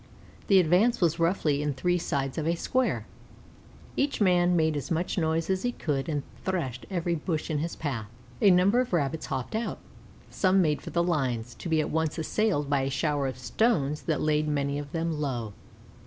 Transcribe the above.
The advance was roughly in three sides of a square. Each man made as much noise as he could, and threshed every bush in his path. A number of Rabbits hopped out. Some made for the lines, to be at once assailed by a shower of stones that laid many of them low.